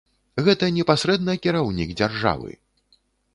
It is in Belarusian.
Гэта непасрэдна кіраўнік дзяржавы!